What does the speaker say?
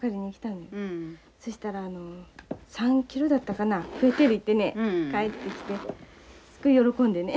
そしたらあの３キロだったかな増えてる言ってね帰ってきてすごい喜んでね。